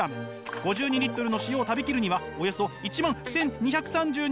５２の塩を食べきるにはおよそ１万１，２３２日